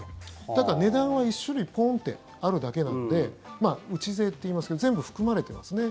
だから値段は１種類ポンってあるだけなので内税と言いますけど全部含まれてますね。